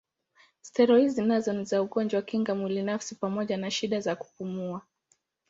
Steroidi nazo ni za ugonjwa kinga mwili nafsi pamoja na shida za kupumua.